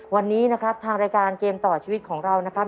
วันนี้นะครับทางรายการเกมต่อชีวิตของเรานะครับ